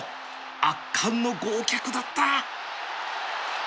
圧巻の剛脚だった